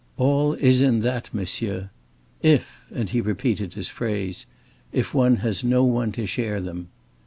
All is in that, monsieur. If," and he repeated his phrase "If one has no one to share them."